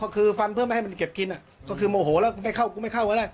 คือฟันเพื่อไม่ให้มันเก็บกินก็คือโมโหแล้วกูไม่เข้าก็ได้ฟันของกูทิ้งด้วย